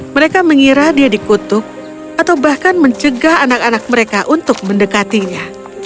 mereka mengira dia dikutuk atau bahkan mencegah anak anak mereka untuk mendekatinya